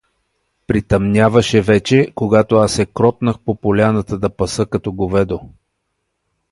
Притъмняваше вече, когато се аз кротнах по поляната да паса като говедо.